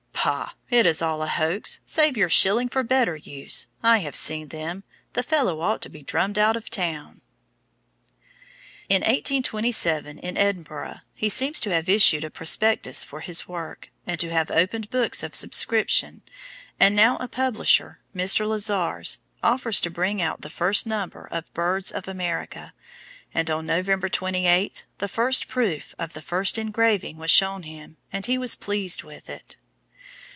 "Pah! it is all a hoax; save your shilling for better use. I have seen them; the fellow ought to be drummed out of town." In 1827, in Edinburgh, he seems to have issued a prospectus for his work, and to have opened books of subscription, and now a publisher, Mr. Lizars, offers to bring out the first number of "Birds of America," and on November 28, the first proof of the first engraving was shown him, and he was pleased with it.